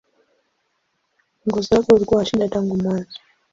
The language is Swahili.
Uongozi wake ulikuwa wa shida tangu mwanzo.